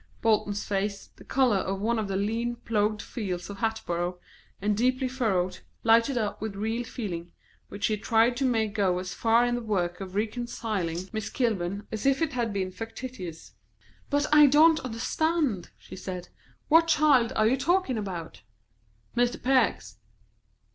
Bolton's face, the colour of one of the lean ploughed fields of Hatboro', and deeply furrowed, lighted up with real feeling, which he tried to make go as far in the work of reconciling Miss Kilburn as if it had been factitious. "But I don't understand," she said. "What child are you talking about?" "Mr. Peck's."